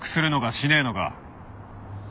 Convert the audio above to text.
しねえのか？